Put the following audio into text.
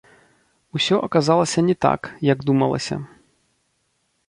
Усё аказалася не так, як думалася.